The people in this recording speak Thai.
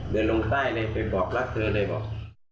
เดินลงใต้เลยไปบอกรักเธอเลยบอก